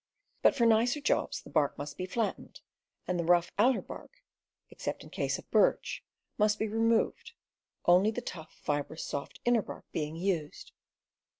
But for nicer jobs the bark must be flattened, and the rough outer bark (except in case of birch) must be removed, only the tough, fibrous, soft inner bark being used.